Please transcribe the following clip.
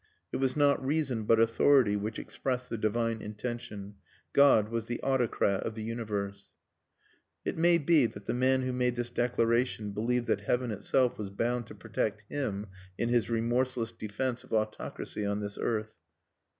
It was not Reason but Authority which expressed the Divine Intention. God was the Autocrat of the Universe...." It may be that the man who made this declaration believed that heaven itself was bound to protect him in his remorseless defence of Autocracy on this earth.